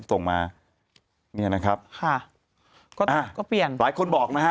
ส่งมาเนี่ยนะครับค่ะก็เปลี่ยนหลายคนบอกนะฮะ